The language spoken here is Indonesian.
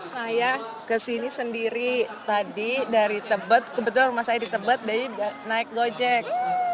saya kesini sendiri tadi dari tebet kebetulan rumah saya di tebet dari naik gojek